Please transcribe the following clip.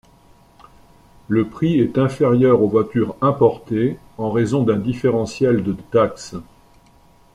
Le prix est inférieur aux voitures importées en raison d'un différentiel de taxes.